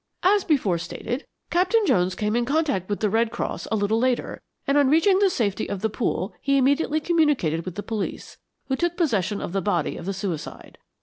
"As before stated, Captain Jones came in contact with the Red Cross a little later, and on reaching the safety of the Pool he immediately communicated with the police, who took possession of the body of the suicide.